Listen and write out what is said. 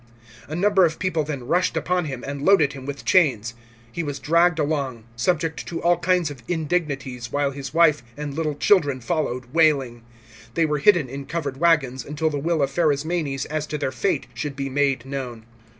A number of people then rushed upon him, and loaded him with chains. He was dragged along, subject to all kinds of indignities, while his wife and little children followed waiting. They were hidden in covered waggons, until the will of Pharasmanes as to their fate should be made known.